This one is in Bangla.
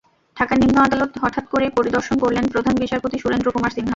ঢাকার নিম্ন আদালত হঠাৎ করেই পরিদর্শন করলেন প্রধান বিচারপতি সুরেন্দ্র কুমার সিনহা।